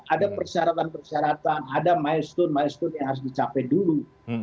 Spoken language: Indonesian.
ada persyaratan persyaratan ada milestone milestone yang harus dicapai dulu